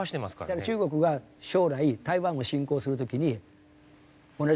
だから中国が将来台湾を侵攻する時に同じ事を言うはい。